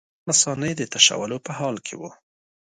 هغه د مثانې د تشولو په حال کې وو.